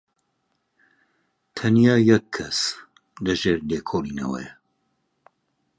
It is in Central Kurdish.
تەنیا یەک کەس لەژێر لێکۆڵینەوەیە.